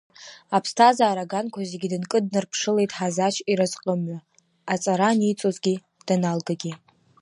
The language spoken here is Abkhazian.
Аԥсҭазаара аганқәа зегьы дынкыднарԥшылеит Ҳазач иразҟымҩа, аҵара аниҵозгьы, даналгагьы.